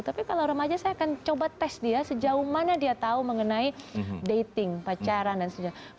tapi kalau remaja saya akan coba tes dia sejauh mana dia tahu mengenai dating pacaran dan sebagainya